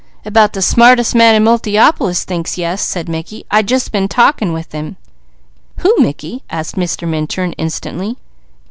"About the smartest man in Multiopolis thinks yes," said Mickey. "I just been talking with him." "Who, Mickey?" asked Mr. Minturn, instantly.